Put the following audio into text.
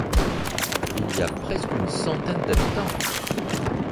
Il y a presque une centaine d'habitants.